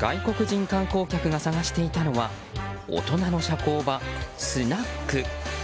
外国人観光客が探していたのは大人の社交場、スナック。